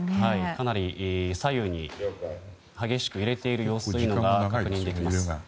かなり左右に激しく揺れている様子が確認できます。